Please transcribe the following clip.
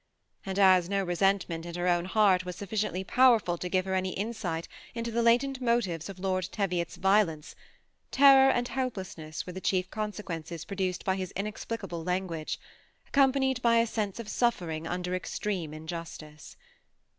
And as no re sentment in her own heart was sufficiently powerful to give her any insight into the latent motives of Lord Teviot's violence, terror and helplessness were the chief consequences produced by his inexplicable language, accompanied by a sense of suffering under extreme in justice.